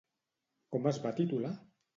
Com es va titular?